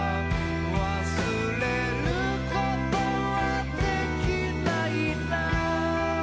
「忘れることはできないな」